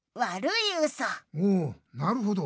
おおなるほど。